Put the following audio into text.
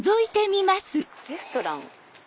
レストラン？